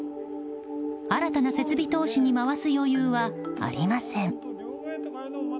新たな設備投資に回す余裕はありません。